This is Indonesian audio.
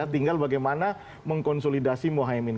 tinggal bagaimana mengkonsolidasi mohaimin